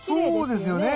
そうですよね。